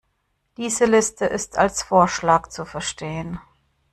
Diese Liste ist als Vorschlag zu verstehen.